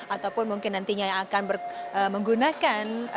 ataupun mungkin nantinya akan menggunakan mrt jakarta